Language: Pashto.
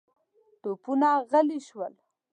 توپونه غلي شول.